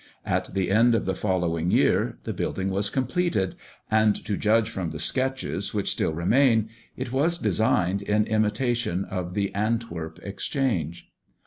At the end of the following year, the building was completed; and to judge from the sketches which still remain, it was designed in imitation of the Antwerp Exchange.